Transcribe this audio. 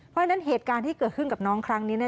เพราะฉะนั้นเหตุการณ์ที่เกิดขึ้นกับน้องครั้งนี้